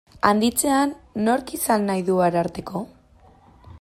Handitzean, nork izan nahi du Ararteko?